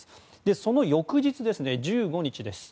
その翌日、１５日です。